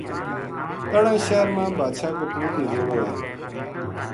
تہنا شہر ما بادشاہ کو پوت نجوڑو ہے